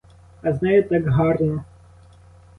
А з нею так гарно.